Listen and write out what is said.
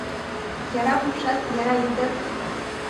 Яра пукшат, яра йӱктат.